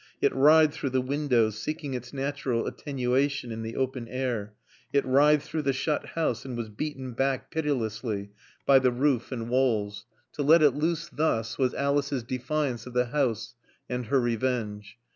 It writhed through the windows, seeking its natural attenuation in the open air. It writhed through the shut house and was beaten back, pitilessly, by the roof and walls. To let it loose thus was Alice's defiance of the house and her revenge.